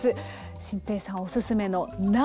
心平さんおすすめの鍋。